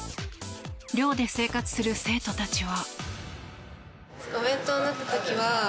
寮で生活する生徒たちは。